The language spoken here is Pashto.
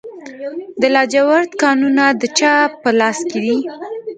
د لاجوردو کانونه د چا په لاس کې دي؟